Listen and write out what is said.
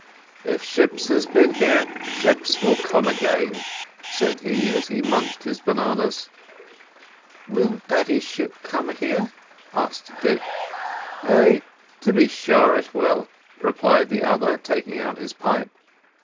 "If ships has been here, ships will come again," said he, as he munched his bananas. "Will daddy's ship come here?" asked Dick. "Ay, to be sure it will," replied the other, taking out his pipe.